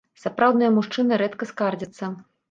Сапраўдныя мужчыны рэдка скардзяцца.